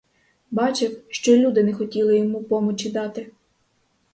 Бачив, що й люди не хотіли йому помочі дати.